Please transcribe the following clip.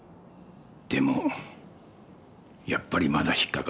でもやっぱりまだ引っかかってる。